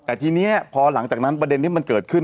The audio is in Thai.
แต่ทีนี้พอหลังจากนั้นประเด็นที่มันเกิดขึ้น